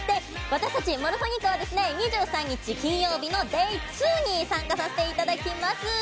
私たちＭｏｒｆｏｎｉｃａは２３日、金曜日のＤａｙ２に参加させていただきます。